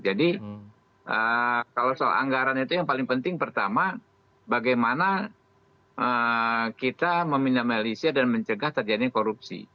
jadi kalau soal anggaran itu yang paling penting pertama bagaimana kita memindah malaysia dan mencegah terjadinya korupsi